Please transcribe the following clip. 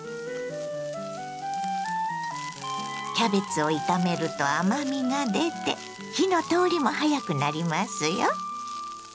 キャベツを炒めると甘みが出て火の通りも早くなりますよ。